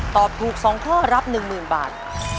ตอบถูก๒ข้อรับ๑๐๐๐บาท